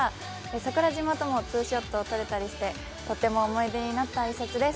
桜島ともツーショットを撮れたりしてとても思い出になった一冊です。